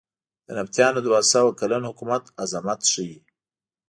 د نبطیانو دوه سوه کلن حکومت عظمت ښیې.